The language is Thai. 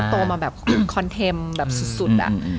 เราโตมาแบบคอนเทมแบบสุด